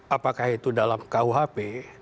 apakah itu dalam kuhp